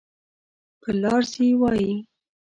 پر لار ځي وایي.